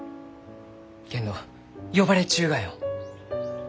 けんど呼ばれちゅうがよ。